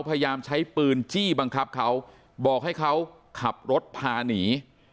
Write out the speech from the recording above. พยายามใช้ปืนจี้บังคับเขาบอกให้เขาขับรถพาหนี